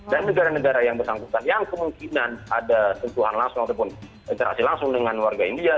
dan negara negara yang bersangkutan yang kemungkinan ada sentuhan langsung ataupun interaksi langsung dengan warga india